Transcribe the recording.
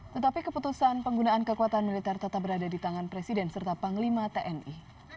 tetapi keputusan penggunaan kekuatan militer tetap berada di tangan presiden serta panglima tni